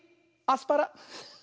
アスパラ。